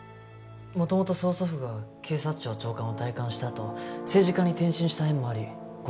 元々曾祖父が警察庁長官を退官したあと政治家に転身した縁もあり護